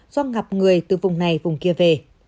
do ngặp người từ vùng này vùng kia về